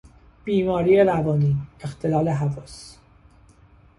بیماری روانی، اختلال حواس